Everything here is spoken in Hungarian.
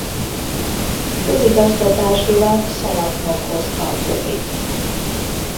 Közigazgatásilag Szalatnokhoz tartozik.